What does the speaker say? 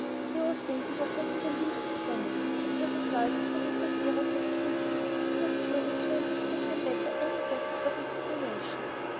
The old lady was not in the least offended; but her replies were so incoherent that Katy was not sure that she understood the matter any better for the explanation.